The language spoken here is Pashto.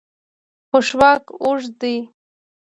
پښواک اوږد دی.